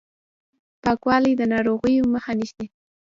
پاکوالی د ناروغیو مخه نیسي